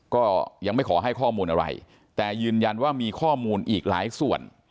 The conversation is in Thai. ก็ยังไม่ขอให้ข้อมูลอะไรแต่ยืนยันว่ามีข้อมูลอีกหลายส่วน